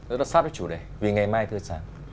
rất là sát với chủ đề vì ngày mai thưa chàng